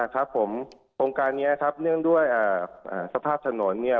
ครับผมโครงการนี้ครับเนื่องด้วยสภาพถนนเนี่ย